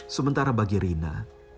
sementara bagi rina